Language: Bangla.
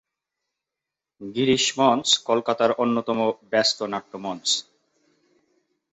গিরিশ মঞ্চ কলকাতার অন্যতম ব্যস্ত নাট্যমঞ্চ।